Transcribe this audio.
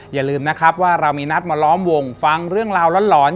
อย่าลืมนะครับว่าเรามีนัดมาล้อมวงฟังเรื่องราวหลอน